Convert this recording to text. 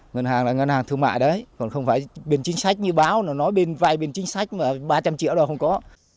ngân hàng là ngân hàng thương mại đấy còn không phải bình chính sách như báo nó nói vay bình chính sách mà ba trăm linh triệu đồ không có